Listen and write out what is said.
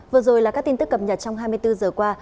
vừa rồi là các tin tức cập nhật trong hai mươi bốn giờ qua